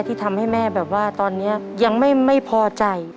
ที่ทำให้แม่แบบว่าตอนนี้ยังไม่พอใจ